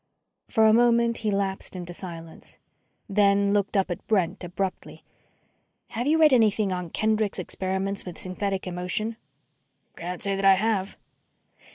For a moment he lapsed into silence. Then looked up at Brent abruptly. "Have you read anything on Kendrick's experiments with synthetic emotion?" "Can't say that I have."